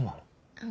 うん。